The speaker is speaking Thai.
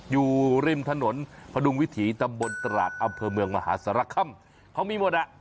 อยู่ริมถนนพดุงวิถีตำบลตราดอำเภอเมืองมหาสารคำเขามีหมดอ่ะ